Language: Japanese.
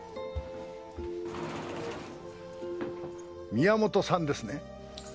宮本さんですね？